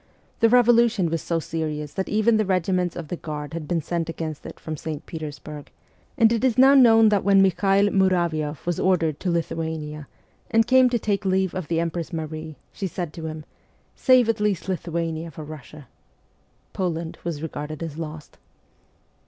The revolution was so serious that even the regiments of the Guard had been sent against it from St. Petersburg ; and it is now known that when Mikhael Muravioff was ordered to 208 MEMOIRS OF A REVOLUTIONIST Lithuania, and came to take leave of the Empress Marie, she said to him :' Save at least Lithuania for Russia.' Poland was regarded as lost.